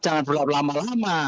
jangan berlaku lama lama